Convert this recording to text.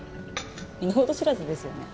身の程知らずですよね。